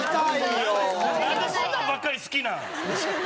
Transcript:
なんでそんなんばっかり好きなん？